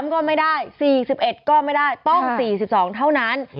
ก็ไม่ได้๔๑ก็ไม่ได้ต้อง๔๒เท่านั้น